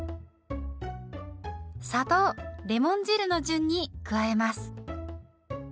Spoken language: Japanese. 砂糖レモン汁の順に加えます。